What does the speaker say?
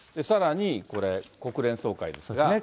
さらにこれ、国連総会ですが。